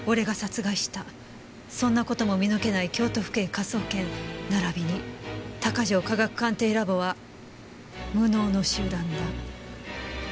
「そんなことも見抜けない京都府警科捜研ならびに鷹城科学鑑定ラボは無能の集団だ」